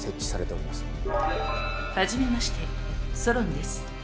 初めましてソロンです。